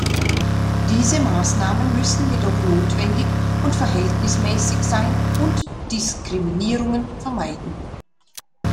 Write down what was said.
Diese Maßnahmen müssen jedoch notwendig und verhältnismäßig sein und Diskriminierungen vermeiden.